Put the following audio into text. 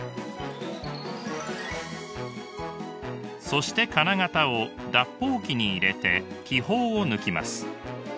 そして金型を脱泡機に入れて気泡を抜きます。